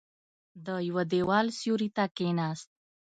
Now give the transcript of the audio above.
د يوه دېوال سيوري ته کېناست.